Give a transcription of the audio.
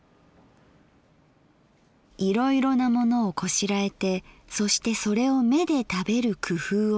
「いろいろなものをこしらえてそしてそれを目で食べる工夫をする。